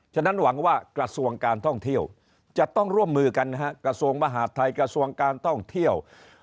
ฉะนั้นหวังว่ากระทรวงการท่องเที่ยวจะต้องร่วมมือกันนะฮะกระทรวงมหาดไทยกระทรวงการท่องเที่ยว